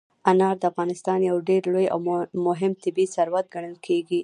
انار د افغانستان یو ډېر لوی او مهم طبعي ثروت ګڼل کېږي.